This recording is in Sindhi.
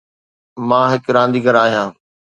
مان ھڪ رانديگر آھيان.